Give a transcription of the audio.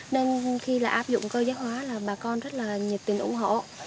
nên khi áp dụng cơ giới hóa là bà con rất là nhiệt tình ủng hộ